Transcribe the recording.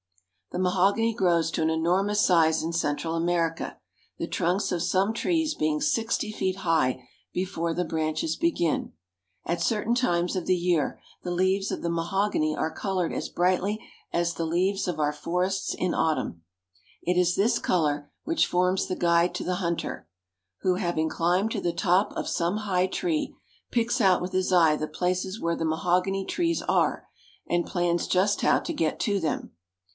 The mahogany grows to an enormous size in Central America, the trunks of some trees being sixty feet high before the branches begin. At certain times of the year the leaves of the mahogany are colored as brightly as the leaves of our forests in autumn. It is this color which forms the guide to the hunter, who, having climbed to the top of some high tree, picks out with his eye the places where the mahogany trees are, and plans just how to get to them.